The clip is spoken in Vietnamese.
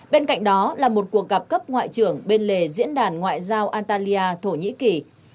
bên cạnh đó là một cuộc gặp cấp ngoại trưởng bên lề diễn đàn ngoại giao antaly thổ nhĩ kỳ